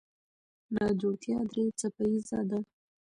ناجوړتیا درې څپه ایزه ده.